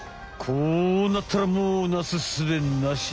こうなったらもうなすすべなし。